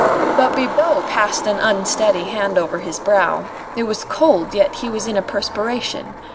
But Bibot passed an unsteady hand over his brow. It was cold, yet he was in a perspiration.